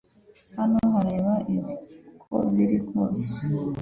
Hano, reba ibi uko biri kose